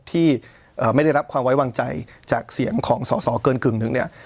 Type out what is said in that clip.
ที่ไม่ได้รับความไว้วางใจจากเสียงของสอสอเกินกึ่งหนึ่งเนี่ย